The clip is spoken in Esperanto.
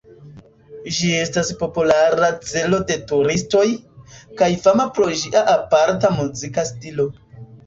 Ĝi estas populara celo de turistoj, kaj fama pro ĝia aparta muzika stilo.